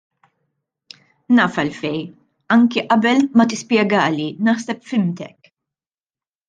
Naf għalfejn, anke qabel ma tispjegali naħseb fhimtek.